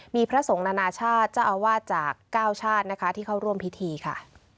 มีพระสงฆ์นานาชาติเจ้าอาวาสจาก๙ชาตินะคะที่เข้าร่วมพิธีค่ะ